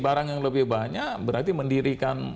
barang yang lebih banyak berarti mendirikan